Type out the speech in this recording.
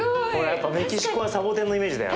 やっぱりメキシコはサボテンのイメージだよ。